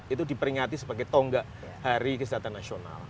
itu diperingati sebagai tonggak hari kesehatan nasional